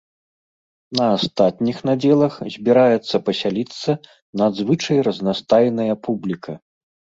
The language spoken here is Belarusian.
На астатніх надзелах збіраецца пасяліцца надзвычай разнастайная публіка.